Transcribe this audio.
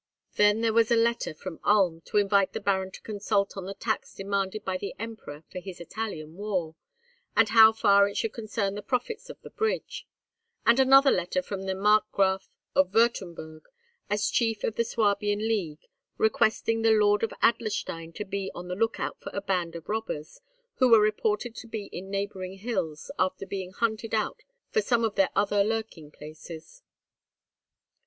Then there was a letter from Ulm to invite the Baron to consult on the tax demanded by the Emperor for his Italian war, and how far it should concern the profits of the bridge; and another letter from the Markgraf of Wurtemburg, as chief of the Swabian League, requesting the Lord of Adlerstein to be on the look out for a band of robbers, who were reported to be in neighbouring hills, after being hunted out of some of their other lurking places.